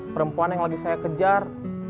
perempuan yang lagi saya kejar